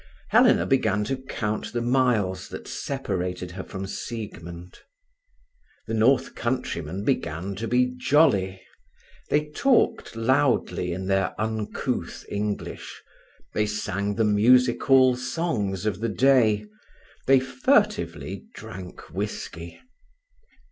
Helena began to count the miles that separated her from Siegmund. The north countrymen began to be jolly: they talked loudly in their uncouth English; they sang the music hall songs of the day; they furtively drank whisky.